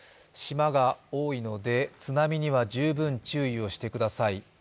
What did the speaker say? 島が多いので津波には十分注意をしてください。